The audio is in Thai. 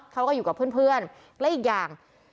เขาก็อยู่กับเพื่อนและอีกอย่าง